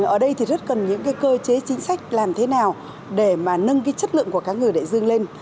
ở đây thì rất cần những cái cơ chế chính sách làm thế nào để mà nâng cái chất lượng của cá ngừ đại dương lên